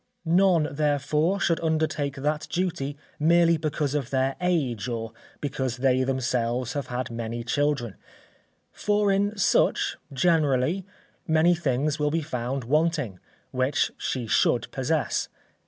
None, therefore, should undertake that duty merely because of their age or because they themselves have had many children, for, in such, generally, many things will be found wanting, which she should possess.